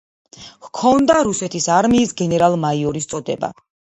ჰქონდა რუსეთის არმიის გენერალ-მაიორის წოდება.